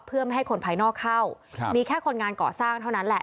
เพื่อไม่ให้คนภายนอกเข้ามีแค่คนงานก่อสร้างเท่านั้นแหละ